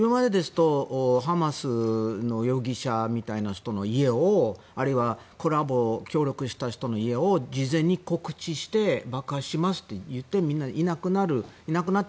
ハマスの容疑者みたいな人の家をあるいは協力した人の家を事前に告知して爆破しますと言って、みんないなくなる。